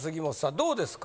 どうですか？